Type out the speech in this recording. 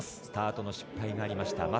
スタートの失敗がありました。